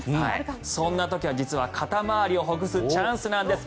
そんな時は実は肩回りをほぐすチャンスなんです。